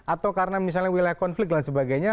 atau karena misalnya wilayah konflik dan sebagainya